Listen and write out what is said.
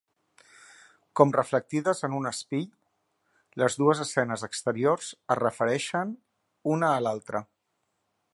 Com reflectides en un espill, les dues escenes exteriors es refereixen una a l'altra.